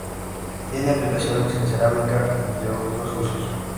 Tiene aplicaciones en cerámica, entre otros usos.